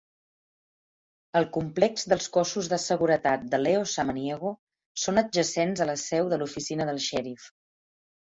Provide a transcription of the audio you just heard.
El complex dels cossos de seguretat de Leo Samaniego són adjacents a la seu de l'oficina del xèrif.